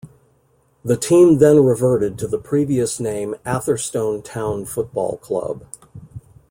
The team then reverted to the previous name Atherstone Town Football Club.